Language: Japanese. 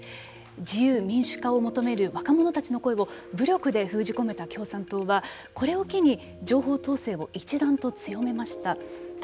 自由民主化を求める若者たちの声を武力で封じ込めた共産党はこれを機に情報統制を一段と強めました。